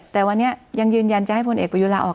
แต่วันนี้ยังยืนยันจะให้พลเอกประยุลาออก